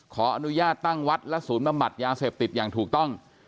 ขออนุญาตตั้งวัดและศูนย์บำบัดยาเสพติดอย่างถูกต้อง